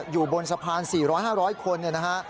อยู่บนสะพาน๔๐๐๕๐๐คนเนี่ยนะฮะ